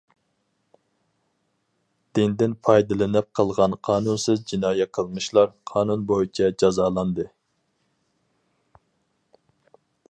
دىندىن پايدىلىنىپ قىلىنغان قانۇنسىز جىنايى قىلمىشلار قانۇن بويىچە جازالاندى.